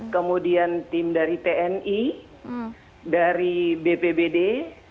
kemudian tim dari tni dari bpbd